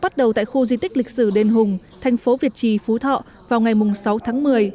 bắt đầu tại khu di tích lịch sử đền hùng thành phố việt trì phú thọ vào ngày sáu tháng một mươi